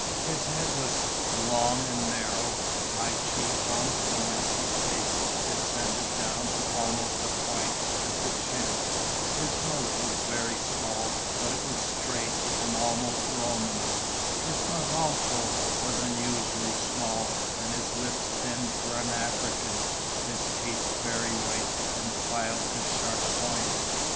His head was long and narrow, high cheek bones from whence his face descended down to almost a point at the chin; his nose was very small, but it was straight, and almost Roman; his mouth also was unusually small, and his lips thin for an African; his teeth very white, and filed to sharp points.